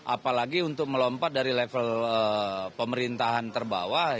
apalagi untuk melompat dari level pemerintahan terbawah